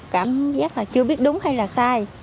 cảm giác là chưa biết đúng hay là sai